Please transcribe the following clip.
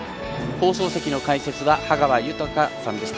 放送席の解説は羽川豊さんでした。